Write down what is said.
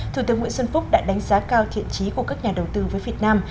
thủ tướng nguyễn xuân phúc đã đánh giá cao thiện trí của các nhà đầu tư với việt nam